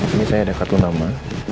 ini saya ada satu nama